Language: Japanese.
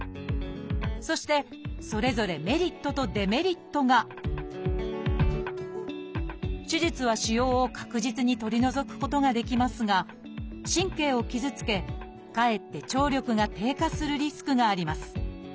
そしてそれぞれメリットとデメリットが手術は腫瘍を確実に取り除くことができますが神経を傷つけかえって聴力が低下するリスクがあります。